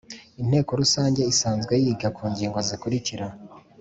Inteko rusange isanzwe yiga ku ngingo zikurikira